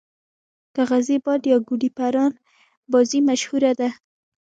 کاغذی باد یا ګوډی پران بازی مشهوره ده.